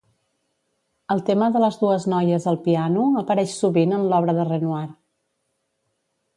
El tema de les dues noies al piano apareix sovint en l'obra de Renoir.